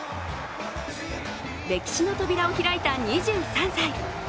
歴史の扉を開いた２３歳。